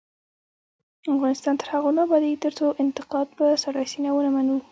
افغانستان تر هغو نه ابادیږي، ترڅو انتقاد په سړه سینه ونه منو.